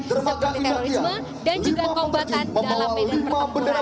seperti terorisme dan juga kombatan dalam bidang pertempuran